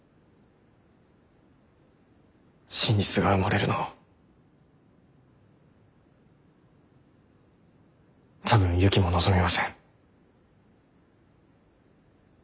真実が埋もれるのを多分ユキも望みません。